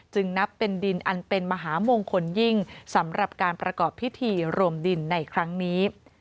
ซึ่งนับเป็นดินมหาโมงคนยิ่งสำหรับประกอบพิธีโรมดินในครั้งนี้